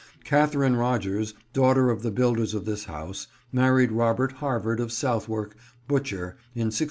Katharine Rogers, daughter of the builders of this house, married Robert Harvard of Southwark, butcher, in 1605.